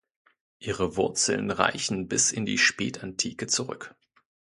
Ihre Wurzeln reichen bis in die Spätantike zurück.